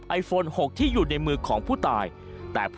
สวัสดีครับ